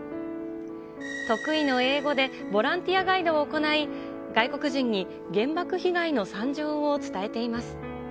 得意の英語で、ボランティアガイドを行い、外国人に原爆被害の惨状を伝えています。